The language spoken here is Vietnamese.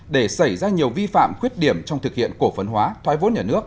để xảy ra nhiều vi phạm khuyết điểm trong thực hiện cổ phấn hóa thoái vốn nhà nước